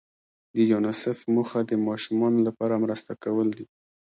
د یونیسف موخه د ماشومانو لپاره مرسته کول دي.